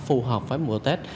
phù hợp với mùa tết